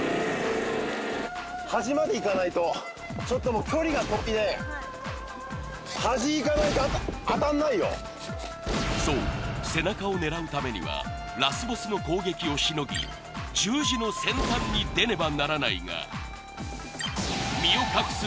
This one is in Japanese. ・うわっ春日かそう背中を狙うためにはラスボスの攻撃をしのぎ十字の先端に出ねばならないがどうする？